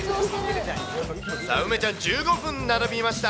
さあ梅ちゃん、１５分並びました。